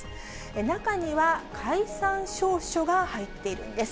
中には、解散詔書が入っているんです。